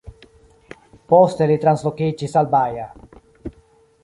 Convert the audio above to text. Poste li translokiĝis al Baja.